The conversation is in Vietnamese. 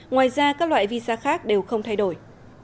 ngoài ra các loại visa khác đều không thay đổi